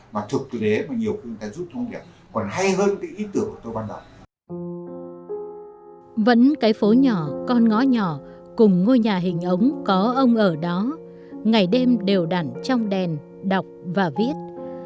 mà thực tế mà nhiều khi người ta rút thông điệp